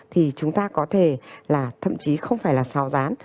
thì chúng ta có thể là thậm chí không phải là xào rán